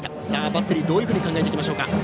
バッテリー、どういうふうに考えてくるでしょうか。